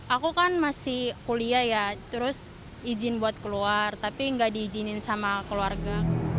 aku kan masih kuliah ya terus izin buat keluar tapi nggak diizinin sama keluarga